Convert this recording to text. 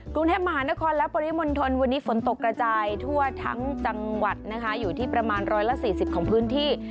กรุงเทพมหานครและปริมณฑลวันนี้ฝนตกกระจายทั่วทั้งจังหวัดนะคะอยู่ที่ประมาณ๑๔๐ของพื้นที่